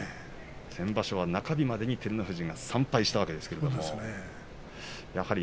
先場所は中日までに照ノ富士が３敗でした。